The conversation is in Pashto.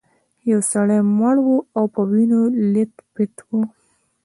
یو سړی مړ و او په وینو لیت پیت و.